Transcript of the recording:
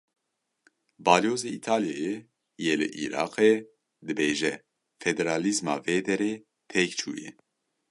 Balyozê Îtalyayê yê li Iraqê dibêje; Federalîzma vê derê têk çûye.